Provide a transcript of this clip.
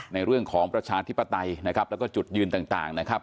ในเรื่องของประชาธิปไตยนะครับแล้วก็จุดยืนต่างนะครับ